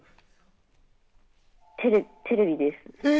テレビです。